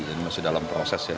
masih dalam proses ya